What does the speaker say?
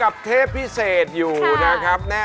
อักษีสันมันดูน่าสนุก